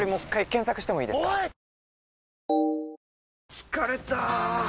疲れた！